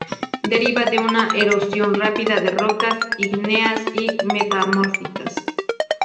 Deriva de una erosión rápida de rocas ígneas o metamórficas.